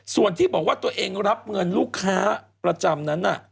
ส่วนที่บอกว่าตัวเองรับเงินลูกค้าประจำนั้น